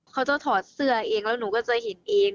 เขาจะถอดเสื้อเองแล้วหนูก็จะเห็นเอง